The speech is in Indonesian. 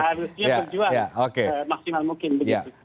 harusnya berjuang semaksimal mungkin begitu